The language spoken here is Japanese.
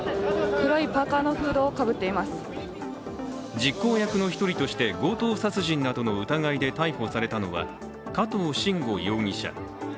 実行役の一人として強盗殺人などの疑いで逮捕されたのは加藤臣吾容疑者。